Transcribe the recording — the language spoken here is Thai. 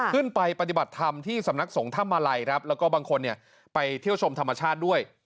ปฏิบัติธรรมที่สำนักสงถ้ำมาลัยครับแล้วก็บางคนไปเที่ยวชมธรรมชาติด้วย